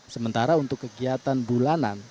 sementara untuk kegiatan bulanan